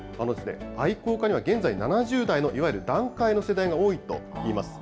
愛好家には現在、７０代のいわゆる団塊の世代が多いといいます。